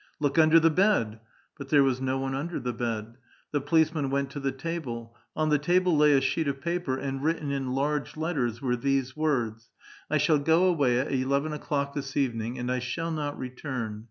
" Look under the bed I " But there was no one under the bed. The policeman went to the table ; on the table lay a sheet of paper, and written in large letters were these words :—" I shall go away at eleven o'clock this evening, and I shall not return.